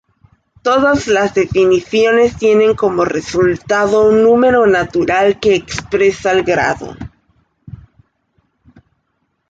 Todas las definiciones tienen como resultado un número natural que expresa el grado.